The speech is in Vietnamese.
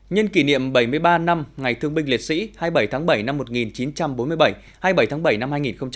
nhân kỷ niệm bảy mươi ba năm ngày thương binh liệt sĩ hai mươi bảy tháng bảy năm một nghìn chín trăm bốn mươi bảy hai mươi bảy tháng bảy năm hai nghìn hai mươi